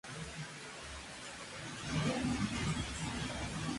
Se utilizó una mezcla de grafito, azufre y antimonio.